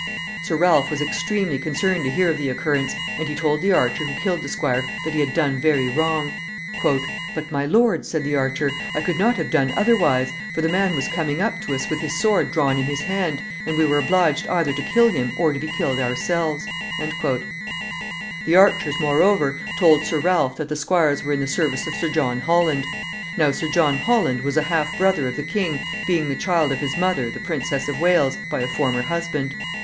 Sir Ralph was extremely concerned to hear of the occurrence, and he told the archer who killed the squire that he had done very wrong. "But, my lord," said the archer, "I could not have done otherwise; for the man was coming up to us with his sword drawn in his hand, and we were obliged either to kill him or to be killed ourselves." The archers, moreover, told Sir Ralph that the squires were in the service of Sir John Holland. Now Sir John Holland was a half brother of the king, being the child of his mother, the Princess of Wales, by a former husband.